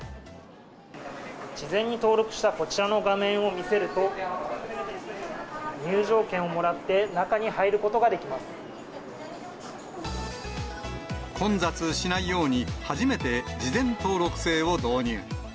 事前に登録したこちらの画面を見せると、入場券をもらって、混雑しないように、初めて事前登録制を導入。